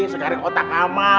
sekarang otak kamal